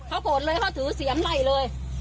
เขาโกรธเลยเขาถือเสียมไล่เลย